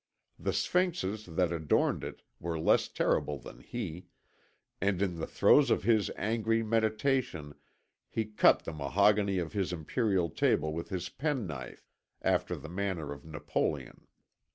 The Sphinxes that adorned it were less terrible than he, and in the throes of his angry meditation he cut the mahogany of his imperial table with his penknife, after the manner of Napoleon.